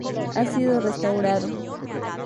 Ha sido restaurado.